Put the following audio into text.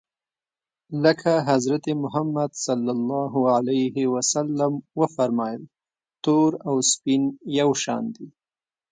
لکه حضرت محمد ص و فرمایل تور او سپین یو شان دي.